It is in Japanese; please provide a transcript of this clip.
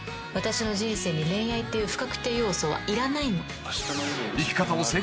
「私の人生に恋愛っていう不確定要素はいらないの」